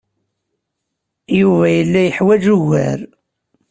Yuba yella yeḥwaj ugar.